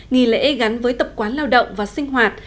nghỉ lễ gắn với tập quán lao động và sinh hoạt